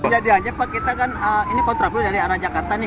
jadi aja pak kita kan ini kontra flow dari arah jakarta nih